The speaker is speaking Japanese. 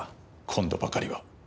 今度ばかりは。